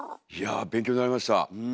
いや勉強になりました。